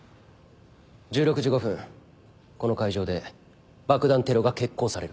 １６時５分この会場で爆弾テロが決行される。